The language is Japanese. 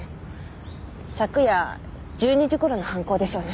昨夜１２時頃の犯行でしょうね。